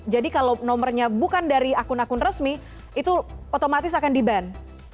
jadi kalau nomernya bukan dari akun akun resmi itu otomatis akan diban